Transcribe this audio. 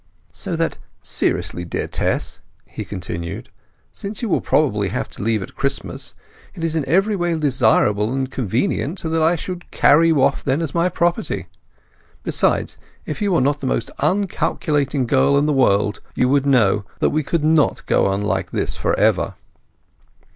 "So that, seriously, dearest Tess," he continued, "since you will probably have to leave at Christmas, it is in every way desirable and convenient that I should carry you off then as my property. Besides, if you were not the most uncalculating girl in the world you would know that we could not go on like this for ever."